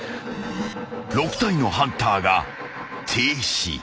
［６体のハンターが停止］